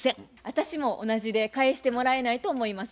私も同じで返してもらえないと思います。